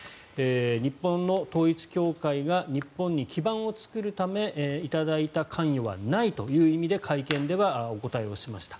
日本の統一教会が日本に基盤を作るため頂いた関与はないという意味で会見ではお答えしました。